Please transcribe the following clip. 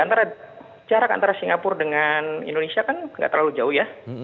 antara jarak antara singapura dengan indonesia kan nggak terlalu jauh ya